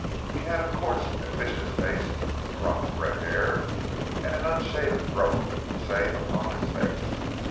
He had a coarse and vicious face, a crop of red hair, and an unshaven growth of the same upon his face.